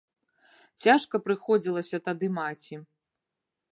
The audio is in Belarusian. Цяжка прыходзілася тады маці.